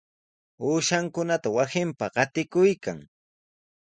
Uushankunata wasinpa qatikuykan.